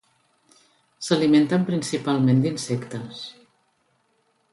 S'alimenten principalment d'insectes.